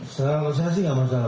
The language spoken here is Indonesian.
secara organisasi gak masalah